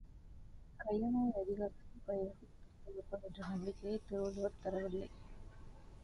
கயமை அதிகாரத்திலும் கயவர்கள் திருந்துவார்கள் என்ற நம்பிக்கையைத் திருவள்ளுவர் தரவில்லை!